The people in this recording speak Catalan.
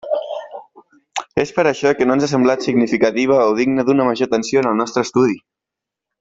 És per això que no ens ha semblat significativa o digna d'una major atenció en el nostre estudi.